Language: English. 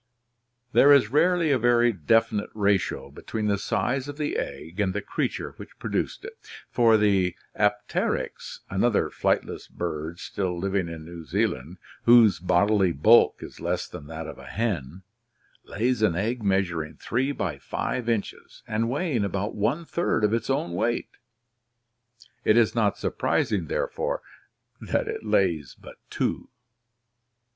There is rarely a very THE LIFE CYCLE 203 definite ratio between the size of the egg and the creature which produced it, for the apteryx, another flightless bird still living in New Zealand, whose bodily bulk is less than that of a hen, lays an egg measuring 3 by 5 inches and weighing about one third of its own weight. It is not surprising, therefore, that it lays but two.